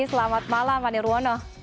selamat malam pak nirwono